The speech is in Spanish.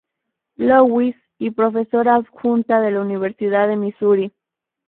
Louis; y profesora adjunta de la Universidad de Misuri.